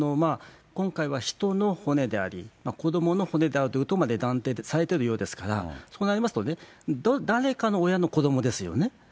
今回は人の骨であり、子どもの骨であるということまで断定されてるようですから、そうなりますとね、誰かの親の子どもですよね。